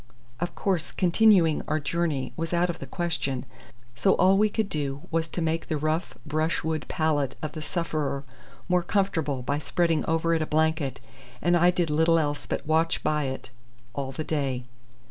Of course, continuing our journey was out of the question, so all we could do was to make the rough brushwood pallet of the sufferer more comfortable by spreading over it a blanket, and I did little else but watch by it all the day.